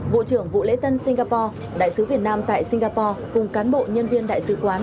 vụ trưởng vụ lễ tân singapore đại sứ việt nam tại singapore cùng cán bộ nhân viên đại sứ quán